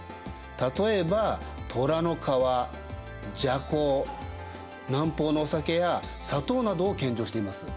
例えばトラの皮麝香南方のお酒や砂糖などを献上しています。